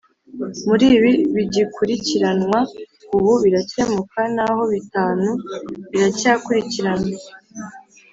Muri ibi bigikurikiranwa ubu biracyemuka, naho bitanu biracyakurikirnwa